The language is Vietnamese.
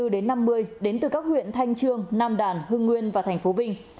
đến năm mươi đến từ các huyện thanh trương nam đàn hưng nguyên và thành phố vinh